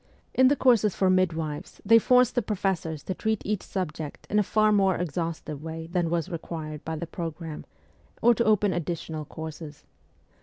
In the courses for midwives they forced the professors to treat each subject in a far more exhaustive way than was required by the programme, or to open additional courses.